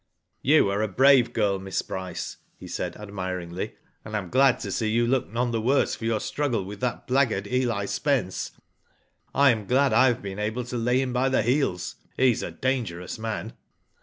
''^You are a brave girl, Miss Bryce,'* he said, admiringly, " and I am glad to see you look none the worse for your struggle with that blackguard, Eli Spence. I am glad I have been able to lay him by the heels. He is a dangerous man."